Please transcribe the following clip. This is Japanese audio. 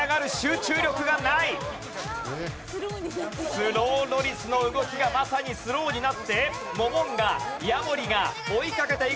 スローロリスの動きがまさにスローになってモモンガヤモリが追いかけていくぞ。